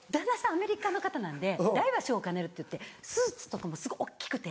アメリカの方なんで大は小を兼ねるっていってスーツとかもすごい大っきくて。